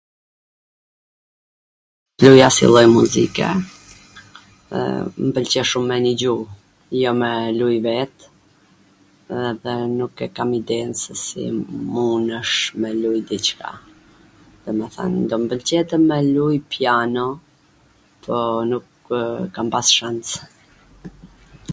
asnjw lloj muzike, mw pwlqen shum me nigju, jo me luj vet edhe nuk e kam iden se si munesh me lujt dicka, domethwn do m pwlqente me luj piano, po nuk kam pas shans.